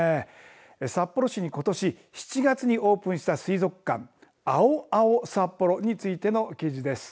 札幌市にことし７月にオープンした水族館ＡＯＡＯＳＡＰＰＯＲＯについての記事です。